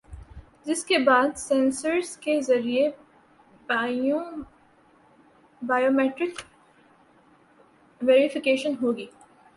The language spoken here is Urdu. جس کے بعد سینسر کے ذریعے بائیو میٹرک ویری فیکیشن ہوگی